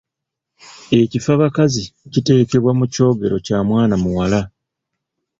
Ekifabakazi kiteekebwa mu kyogero kya mwana muwala.